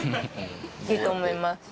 いいと思います。